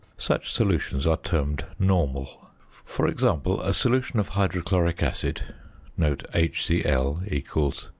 Such solutions are termed normal. For example, a solution of hydrochloric acid (HCl = 36.